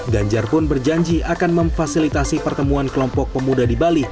ganjar pun berjanji akan memfasilitasi pertemuan kelompok pemuda di bali